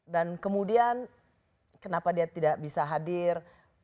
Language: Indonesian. dan kemudian kenapa dia tidak bisa hadir